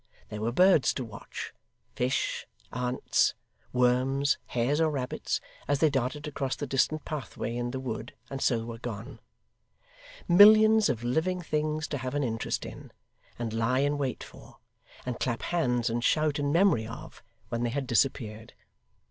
There were birds to watch; fish; ants; worms; hares or rabbits, as they darted across the distant pathway in the wood and so were gone: millions of living things to have an interest in, and lie in wait for, and clap hands and shout in memory of, when they had disappeared.